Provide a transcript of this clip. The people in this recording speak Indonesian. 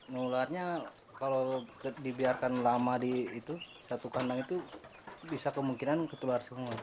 nularnya kalau dibiarkan lama di itu satu kandang itu bisa kemungkinan ketular semua